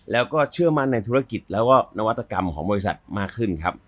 แล้วก็เชื่อมั่นในธุรกิจแล้วก็นวัตกรรมของบริษัทมากขึ้นครับ